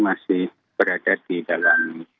masih berada di dalam